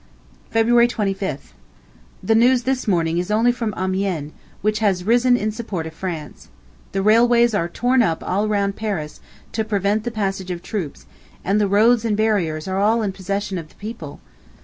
February 25th. The news this morning is only from Amiens, which has risen in support of France. The railways are torn up all round Paris, to prevent the passage of troops, and the roads and barriers are all in possession of the people.